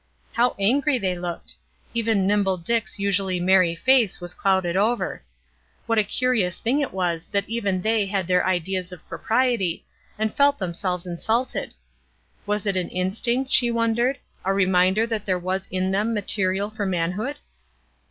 How angry they looked! Even Nimble Dick's usually merry face was clouded over. What a curious thing it was that even they had their ideas of propriety, and felt themselves insulted! Was it an instinct, she wondered a reminder that there was in them material for manhood?